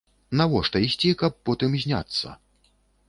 Навошта ісці, каб потым зняцца?